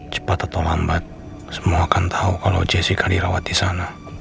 cepat atau lambat semua akan tahu kalau jessica dirawat di sana